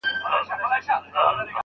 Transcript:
وایي تم سه خاطرې دي راته وایي